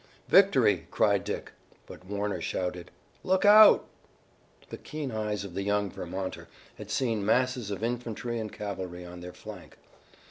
"Victory!" cried Dick, but Warner shouted: "Look out!" The keen eyes of the young Vermonter had seen masses of infantry and cavalry on their flank.